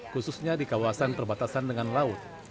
khususnya di kawasan perbatasan dengan laut